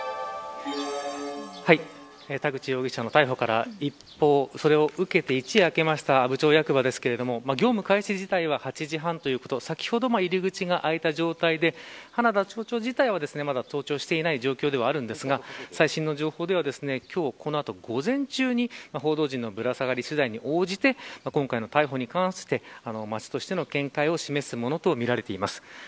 田口容疑者の逮捕から一報を受けて、一夜明けました阿武町役場ですが業務開始自体は８時半ということで、先ほどまで入口が開いた状態で花田町長自体は登場していない状況ですが最新情報では今日、このあと午前中に報道陣のぶら下がり取材に応じて今回の逮捕に関して町としての見解を示すものとみられています。